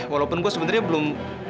walaupun gue sebenarnya belum